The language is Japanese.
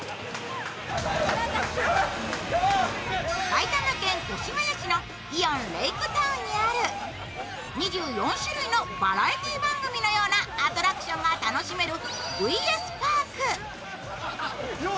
埼玉県越谷市のイオンレイクタウンにある２４種類のバラエティー番組のようなアトラクションが楽しめるＶＳＰＡＲＫ。